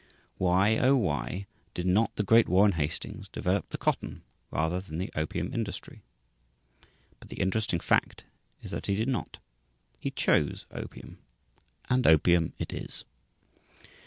Why, oh, why, did not the great Warren Hastings develop the cotton rather than the opium industry! But the interesting fact is that he did not. He chose opium, and opium it is.